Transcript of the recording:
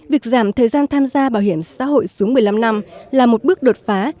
việc giảm thời gian tham gia bảo hiểm xã hội xuống một mươi năm năm là một bước đột phá